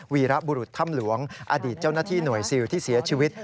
วีระบุรุษถ้ำหลวงอดีตเจ้าหน้าที่หน่วยซิลที่เสียชีวิต